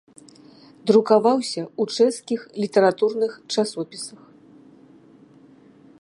Друкаваўся ў чэшскіх літаратурных часопісах.